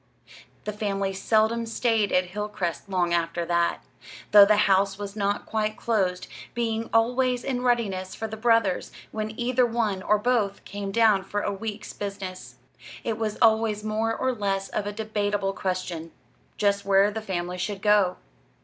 The family seldom stayed at Hilcrest long after that, though the house was not quite closed, being always in readiness for the brothers when either one or both came down for a week's business. It was always more or less of a debatable question just where the family should go.